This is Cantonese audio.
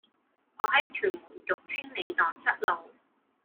我喺屯門育青里盪失路